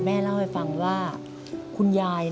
ทำงานชื่อนางหยาดฝนภูมิสุขอายุ๕๔ปี